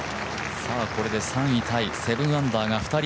これで３位タイ、７アンダーが２人。